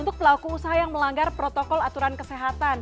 untuk pelaku usaha yang melanggar protokol aturan kesehatan